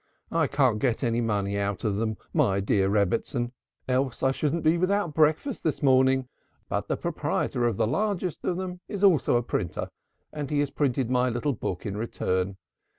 I can't get any money out of them, my dear Rebbitzin, else I shouldn't be without breakfast this morning, but the proprietor of the largest of them is also a printer, and he has printed my little book in return.